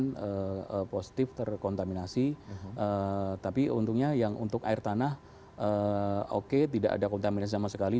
jadi itu memang positif terkontaminasi tapi untungnya yang untuk air tanah oke tidak ada kontaminasi sama sekali